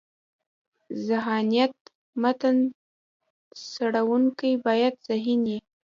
ذهانت: متن څړونکی باید ذهین يي.